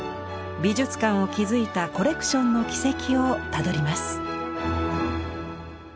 美術館を築いたコレクションの軌跡をたどります。